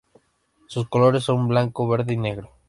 Sus colores son blanco, verde y negro.